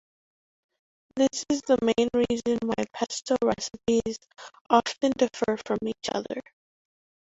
This is the main reason why pesto recipes often differ from each other.